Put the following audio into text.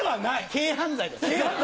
軽犯罪ですか？